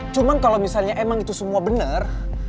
cuman kalau misalnya emang itu semua bener